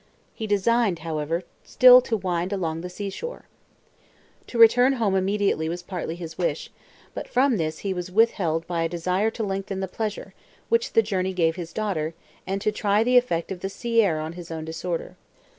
He designed, however, still to wind along the sea shore. To return home immediately was partly his wish, but from this he was withheld by a desire to lengthen the pleasure, which the journey gave his daughter, and to try the effect of the sea air on his own disorder.